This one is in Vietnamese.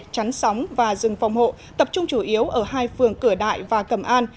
chắn sóng và rừng phòng hộ tập trung chủ yếu ở hai phường cửa đại và cầm an